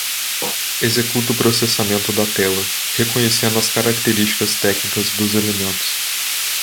Executa o processamento da tela, reconhecendo as características técnicas dos elementos.